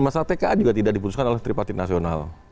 masalah tka juga tidak diputuskan oleh tripartit nasional